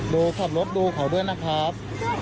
ขับรถดูเขาด้วยนะครับ